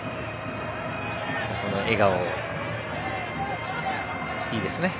この笑顔、いいですね。